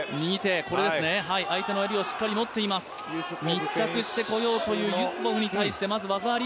密着してこようとするユスポフに対して、まず技あり。